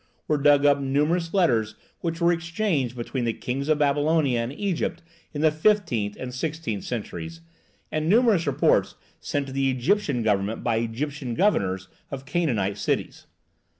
were dug up numerous letters which were exchanged between the kings of Babylonia and Egypt in the fifteenth and sixteenth centuries, and numerous reports sent to the Egyptian government by Egyptian governors of Canaanite cities.